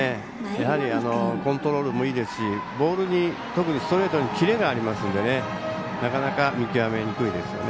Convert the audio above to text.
コントロールもいいですしボールに、特にストレートにキレがありますのでなかなか見極めにくいですよね。